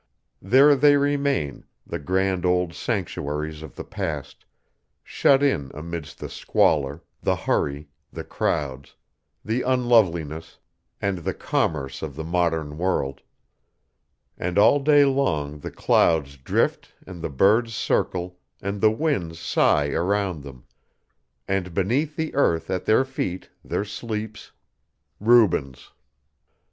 There they remain, the grand old sanctuaries of the past, shut in amidst the squalor, the hurry, the crowds, the unloveliness, and the commerce of the modern world, and all day long the clouds drift and the birds circle and the winds sigh around them, and beneath the earth at their feet there sleeps RUBENS.